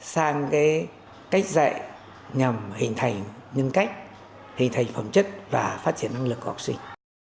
sang cách dạy nhằm hình thành nhân cách hình thành phẩm chất và phát triển năng lực của học sinh